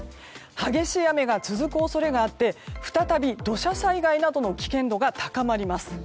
激しい雨が続く恐れがあって再び土砂災害などの危険度が高まります。